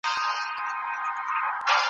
بې ځايه بحثونه حساسيت پيدا کوي.